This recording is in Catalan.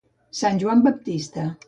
Sant Joan Baptista.